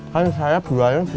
satu lagi yang jualan saeb